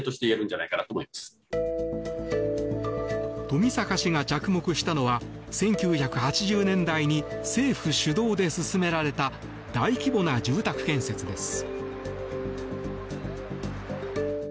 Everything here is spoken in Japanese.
富坂氏が着目したのは１９８０年代に政府主導で進められた大規模な住宅建設です。